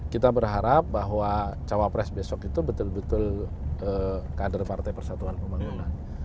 kita berharap bahwa cawapres besok itu betul betul kader partai persatuan pembangunan